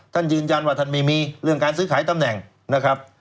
ท่านยืนยันว่าท่านไม่มีเรื่องการซื้อขายตำแหน่งนะครับ